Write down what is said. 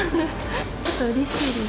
ちょっとうれしいです。